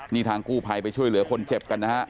นี่ทางกู้ภัยไปช่วยเหลือคนเจ็บกันนะฮะ